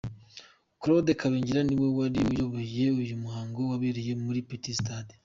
Claude Kabengera niwe wari uyoboye uyu muhango wabereye muri Petit Stade.